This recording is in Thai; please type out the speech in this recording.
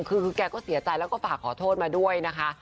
คือแกก็เสียใจแล้วก็ฝากขอโทษมาด้วยนะคะ